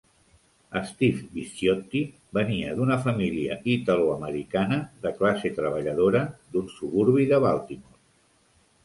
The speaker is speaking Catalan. Steve Bisciotti venia d'una família italoamericana de classe treballadora d'un suburbi de Baltimore.